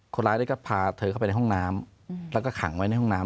คนร้ายเนี่ยก็พาเธอเข้าไปในห้องน้ำ